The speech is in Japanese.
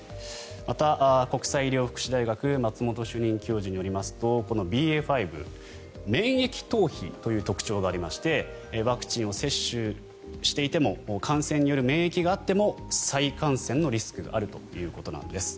また、国際医療福祉大学松本主任教授によりますとこのＢＡ．５免疫逃避という特徴がありましてワクチンを接種していても感染による免疫があっても再感染のリスクがあるということなんです。